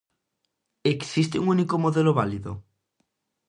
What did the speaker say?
Existe un único modelo válido?